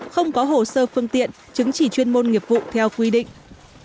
không có hồ sơ phương tiện chứng chỉ chuyên môn nghiệp vụ theo quy định